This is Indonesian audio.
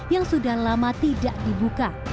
yang sudah lama tidak dibuka